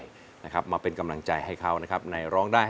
ยืดเอาล่ะยืดได้